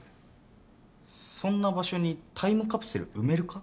そんな場所にタイムカプセル埋めるか？